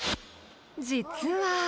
［実は］